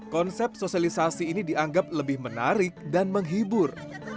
konsep sosialisasi ini dianggap lebih menarik dan menghibur